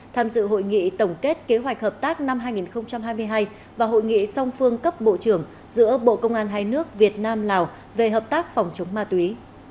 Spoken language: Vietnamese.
tham dự hội nghị tổng kết kế hoạch hợp tác năm hai nghìn hai mươi hai và hội nghị song phương cấp bộ trưởng giữa bộ công an hai nước việt nam lào về hợp tác phòng chống ma túy